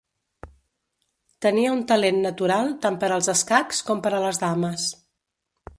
Tenia un talent natural tant per als escacs com per a les dames.